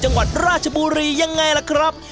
จังหวัดราชบุรียังไงล่ะครับ